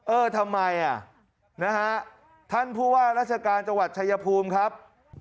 เออทำไมอ่ะนะฮะท่านผู้ว่าราชการจังหวัดชายภูมิครับ